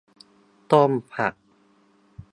ต้มผัก